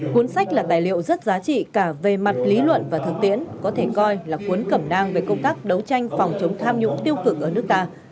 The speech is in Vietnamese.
cuốn sách là tài liệu rất giá trị cả về mặt lý luận và thực tiễn có thể coi là cuốn cẩm nang về công tác đấu tranh phòng chống tham nhũng tiêu cực ở nước ta